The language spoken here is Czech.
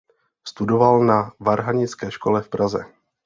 Studoval na Varhanické škole v Praze.